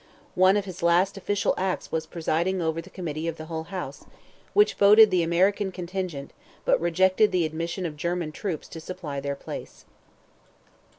One of his last official acts was presiding over the committee of the whole House, which voted the American contingent, but rejected the admission of German troops to supply their place.